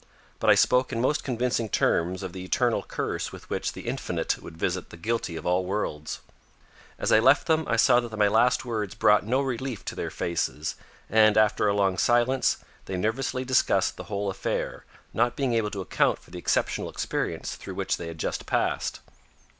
But I spoke in most convincing terms of the eternal curse with which the Infinite would visit the guilty of all worlds. As I left them I saw that my last words brought no relief to their faces and, after a long silence, they nervously discussed the whole affair, not being able to account for the exceptional experience through which they had just passed.